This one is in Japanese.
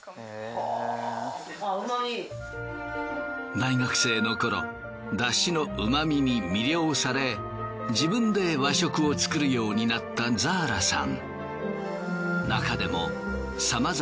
大学生のころ出汁のうま味に魅了され自分で和食を作るようになったザーラさん。